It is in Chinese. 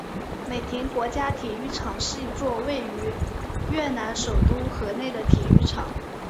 美亭国家体育场是一座位于越南首都河内的体育场。